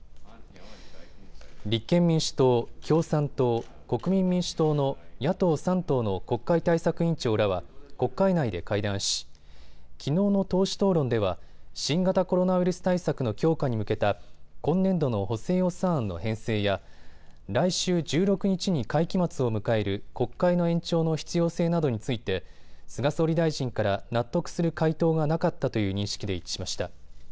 立憲民主党、共産党、国民民主党の野党３党の国会対策委員長らは国会内で会談し、きのうの党首討論では新型コロナウイルス対策の強化に向けた今年度の補正予算案の編成や来週１６日に会期末を迎える国会の延長の必要性などについて菅総理大臣から納得する回答がなかったという認識で一致しました。